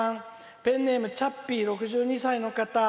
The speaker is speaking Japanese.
ペンネームちゃっぴー、６２歳の方。